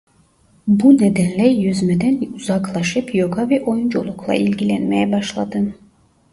Bu nedenle yüzmeden uzaklaşıp yoga ve oyunculukla ilgilenmeye başladı.